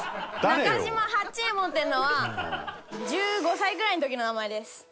中島八右衛門っていうのは１５歳ぐらいの時の名前です。